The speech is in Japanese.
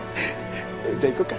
じゃあ行こうか。